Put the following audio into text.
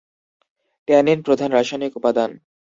Tannin প্রধান রাসায়নিক উপাদান।